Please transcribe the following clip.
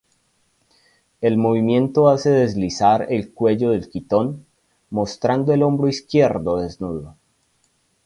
El movimiento hace deslizar el cuello del quitón, mostrando el hombro izquierdo desnudo.